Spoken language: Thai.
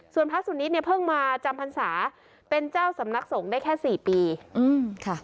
ส่วนพระสุนิทเนี่ยเพิ่งมาจำพรรษาเป็นเจ้าสำนักสงฆ์ได้แค่๔ปีค่ะ